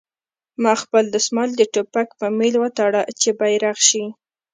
ما خپل دسمال د ټوپک په میل وتاړه چې بیرغ شي